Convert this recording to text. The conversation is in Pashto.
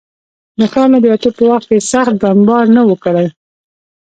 د ښاره د وتو په وخت کې یې سخت بمبار نه و کړی.